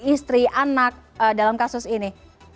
istri anak dalam kasus ini